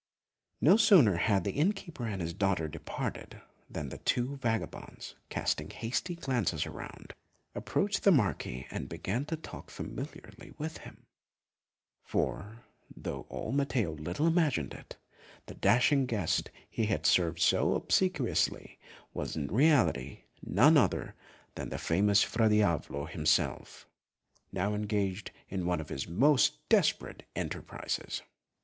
No sooner had the inn keeper and his daughter departed, than the two vagabonds, casting hasty glances around, approached the Marquis and began to talk familiarly with him; for, though old Matteo little imagined it, the dashing guest he had served so obsequiously was in reality none other than the famous Fra Diavolo himself, now engaged on one of his most desperate enterprises!